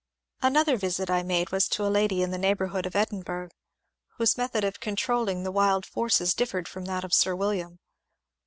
Another visit I made was to a lady in the neighbonrhood of Edinburgh whose method of controlling the wild forces dif fered from that of Sir William.